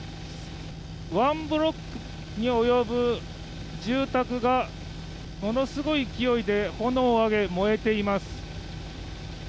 ワンブロックに及ぶ住宅がものすごい勢いで炎を上げ燃えています。